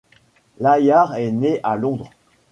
Layard est né à Londres.